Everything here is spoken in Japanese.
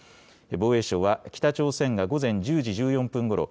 防衛省は北朝鮮が午前１０時１４分ごろ